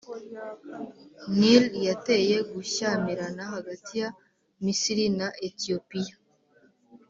Nile yateye gushyamirana hagati ya Misiri na Etiyopiya